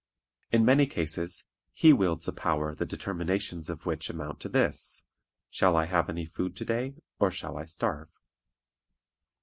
In many cases he wields a power the determinations of which amount to this: "Shall I have any food to day, or shall I starve?"